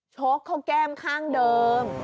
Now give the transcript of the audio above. ชกเข้าแก้มข้างเดิม